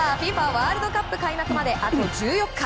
ワールドカップ開幕まであと１４日。